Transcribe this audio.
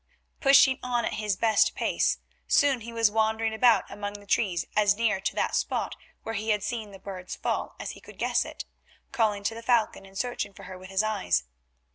Pushing on at his best pace, soon he was wandering about among the trees as near to that spot where he had seen the birds fall as he could guess it, calling to the falcon and searching for her with his eyes.